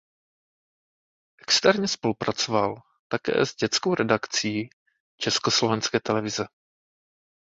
Externě spolupracoval také s „dětskou redakcí“ Československé televize.